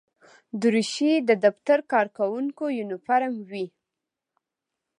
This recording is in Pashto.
دریشي د دفتر کارکوونکو یونیفورم وي.